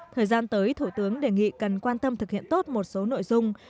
thời gian tới thủ tướng đề nghị cần quan tâm thực hiện tốt một số nội dung